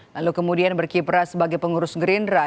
lalu kemudian berkiprah sebagai pengurus gerindra